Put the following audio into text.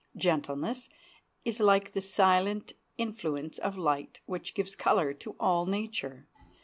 Gentleness is like the silent influence of light, which gives color to all nature.